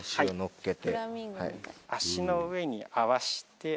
足の上に合わせて。